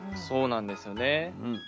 そうなんですよね。